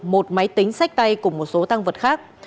một máy tính sách tay cùng một số tăng vật khác